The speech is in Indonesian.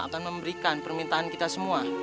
akan memberikan permintaan kita semua